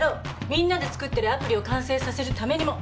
みんなで作ってるアプリを完成させるためにも。